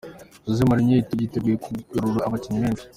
Jose Mourinho yiteguye kugura abakinnyi benshi.